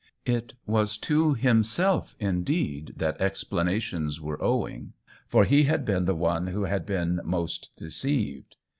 It was to himself indeed that explanations were owing, for he had been the one who had been most deceived.